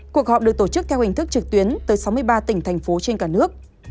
cuộc họp được tổ chức theo hình thức trực tuyến tới sáu mươi ba tỉnh thành phố trên cả nước